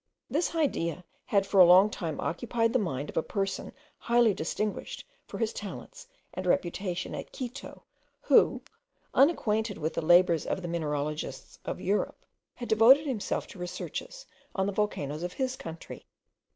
This idea had for a long time occupied the mind of a person highly distinguished for his talents and reputation at Quito, who, unacquainted with the labours of the mineralogists of Europe, had devoted himself to researches on the volcanoes of his country.